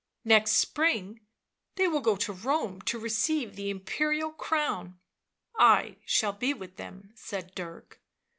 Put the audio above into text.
" Next spring they go to Rome to receive the Imperial crown." " I shall be with them," said Dirk.